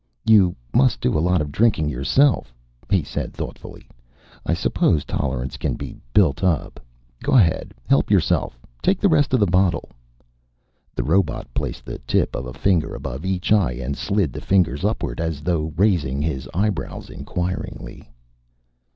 "You must do a lot of drinking yourself," he said thoughtfully. "I suppose tolerance can be built up. Go ahead. Help yourself. Take the rest of the bottle." The robot placed the tip of a finger above each eye and slid the fingers upward, as though raising his eyebrows inquiringly.